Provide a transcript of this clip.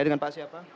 dengan pak siapa